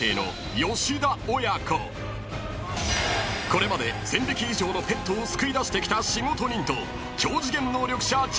［これまで１，０００匹以上のペットを救い出してきた仕事人と超次元能力者ジャッキー］